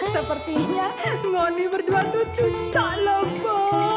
sepertinya ngoni berdua tuh cucak lho bo